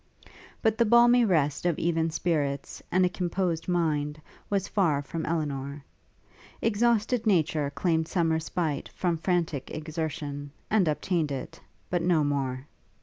But the balmy rest of even spirits, and a composed mind, was far from Elinor; exhausted nature claimed some respite from frantic exertion, and obtained it; but no more.